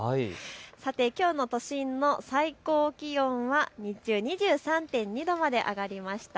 さて、きょうの都心の最高気温は２３．２度まで上がりました。